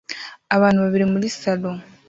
Abantu babiri muri salo